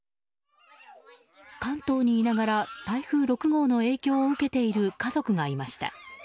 関東にいながら台風６号の影響を受けている家族がいました。